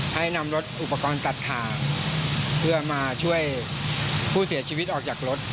ให้นำรถอุปกรณ์ตัดทางเพื่อมาช่วยผู้เสียชีวิตออกจากรถ